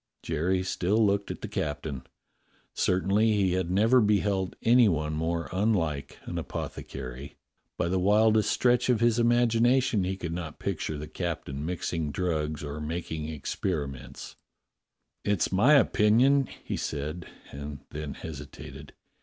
Jerry still looked at the captain. Certainly he had never beheld any one more unlike an apothecary. By the widest stretch of his imagination he could not pic ture the captain mixing drugs or making experiments. "It's my opinion " he said, and then hesitated.